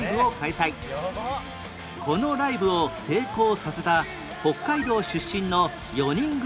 このライブを成功させた北海道出身の４人組